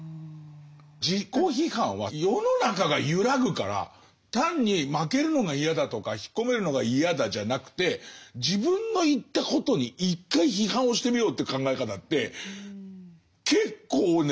自己批判は世の中が揺らぐから単に負けるのが嫌だとか引っ込めるのが嫌だじゃなくて自分の言ったことに一回批判をしてみようって考え方って結構ね